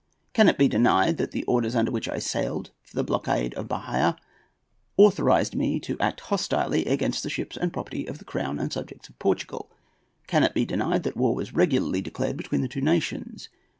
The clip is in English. Can it be denied that the orders under which I sailed for the blockade of Bahia authorized me to act hostilely against the ships and property of the crown and subjects of Portugal? Can it be denied that war was regularly declared between the two nations?